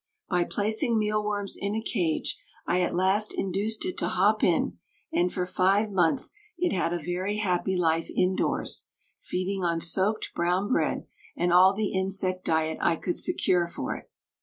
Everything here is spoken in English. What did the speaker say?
By placing mealworms in a cage I at last induced it to hop in, and for five months it had a very happy life indoors, feeding on soaked brown bread and all the insect diet I could secure for it.